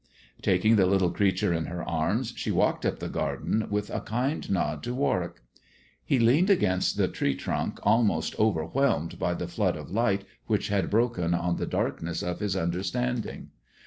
Taking the little creature in her arms, she walked up the garden, with a kind nod to Warwick, He leaned against the tree trunk almost overwhelmed by the flood of light which had broken on the darkness of his understanding.